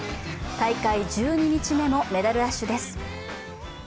大会１２日目もメダルラッシュです。